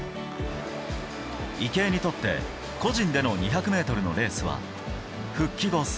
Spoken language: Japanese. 池江にとって、個人での２００ｍのレースは復帰後